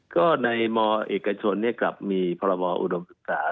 ก็ในมเอกชนกลับมีพรบอุดมศึกษา